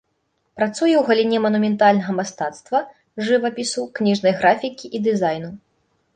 Працуе ў галіне манументальнага мастацтва, жывапісу, кніжнай графікі і дызайну.